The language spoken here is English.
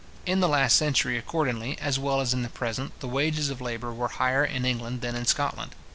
In the last century, accordingly, as well as in the present, the wages of labour were higher in England than in Scotland.